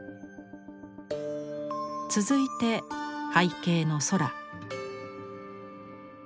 続いて背景の空。